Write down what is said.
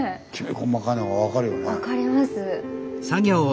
分かります。